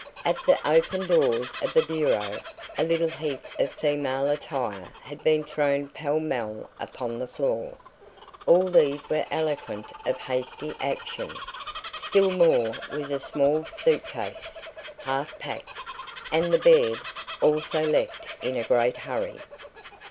At the open doors of the bureau a little heap of female attire had been thrown pell mell upon the floor. All these were eloquent of hasty action. Still more was a small suit case, half packed, an the bed, also left in a great hurry.